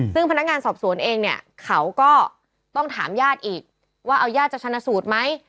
ซึ่งพนักงานสอบสวนเองเนี่ยเขาก็ต้องถามญาติอีกว่าเอาญาติจะชนะสูตรไหม